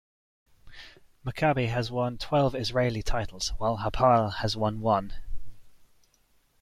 Maccabi has won twelve Israeli titles, while Hapoel has won one.